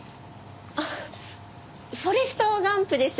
あっ『フォレスト・ガンプ』です。